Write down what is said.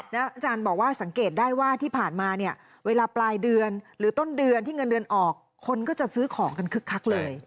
แล้วอาจารย์บอกว่าสังเกตได้ว่าที่ผ่านมาเนี่ยเวลาปลายเดือนหรือต้นเดือนที่เงินเดือนออกคนก็จะซื้อของกันคึกคักเลย